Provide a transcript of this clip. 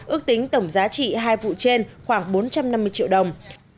ước tính tổng giá trị hai vụ trên khoảng bốn trăm năm mươi triệu đồng